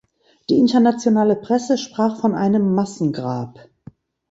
Die internationale Presse sprach von einem Massengrab.